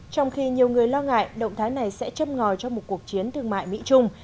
trong khi nhiều người lo ngại động thái này sẽ châm ngòi cho một cuộc chiến thương mại mỹ trung